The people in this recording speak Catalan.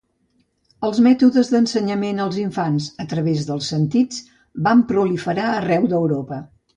Els mètodes d'ensenyament als infants a través dels sentits van proliferar arreu d'Europa.